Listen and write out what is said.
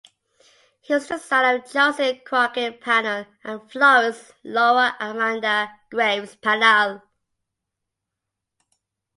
He was the son of Joseph Crockett Pannell and Florence Laura Amanda (Graves) Pannell.